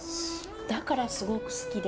だからすごく好きで。